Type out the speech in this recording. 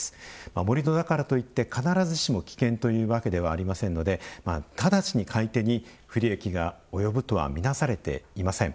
盛土だからといって必ずしも危険というわけではありませんので直ちに買い手に不利益が及ぶとはみなされていません。